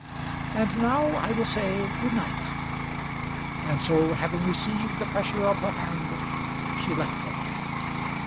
And now I will say good night." And so, having received the pressure of her hand, she left him.